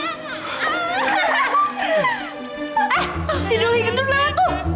eh si duri gendut banget tuh